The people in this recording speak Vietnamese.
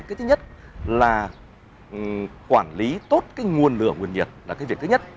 cái thứ nhất là quản lý tốt cái nguồn lửa nguồn nhiệt là cái việc thứ nhất